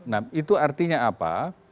nah itu artinya apa